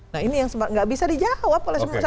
nah ini yang nggak bisa dijawab